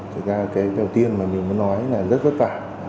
thực ra cái đầu tiên mà mình muốn nói là rất vất vả